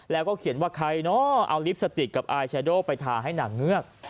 แล้วก็เขียนว่าใครเนาะเอาลิปสติกกับอายแชโดไปทาให้หนังเงือก